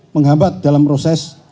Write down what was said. menghambat dalam proses